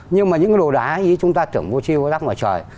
nhưng mà những cái đồ đá ý chúng ta tưởng vô chi vô giác ngoài trời